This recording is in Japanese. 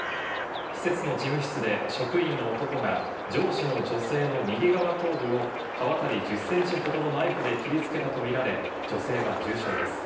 施設の事務室で職員の男が上司の女性の右側頭部を刃渡り１０センチほどのナイフで切りつけたとみられ、女性は重傷です。